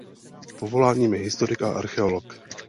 Povoláním je historik a archeolog.